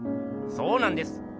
そうなんです。